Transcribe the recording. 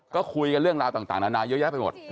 ก็คุยกันเรื่องราวต่างนานาเยอะแยะไปหมด